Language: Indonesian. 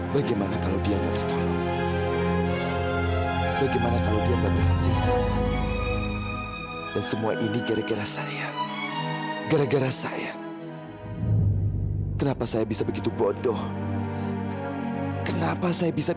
sampai jumpa di video selanjutnya